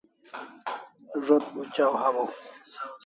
Zo't ucaw hawaw